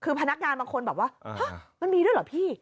คือพนักงานบางคนแบบว่ามันมีด้วยเหรอพี่